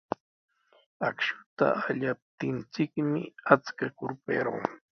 Akshuta allaptinchikmi achka kurpa yarqun.